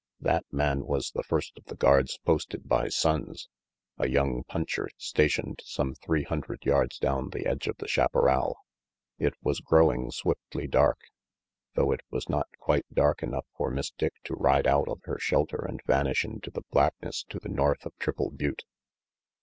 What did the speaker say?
That man was the first of the guards posted by Sonnes, a young puncher stationed some three hundred yards down the edge of the chaparral. It was growing swiftly dark, though it was not quite dark enough for Miss Dick to ride out of her shelter and vanish into the blackness to the north of Triple Butte.